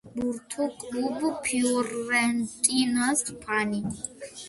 არის საფეხბურთო კლუბ „ფიორენტინას“ ფანი.